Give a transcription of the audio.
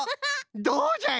どうじゃい！